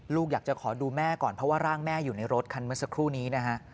ลูกอยากจะขอดูแม่ก่อนเพราะว่าร่างแม่อยู่ในรถคันเมื่อสักครู่นี้นะฮะ